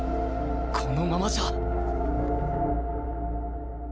このままじゃ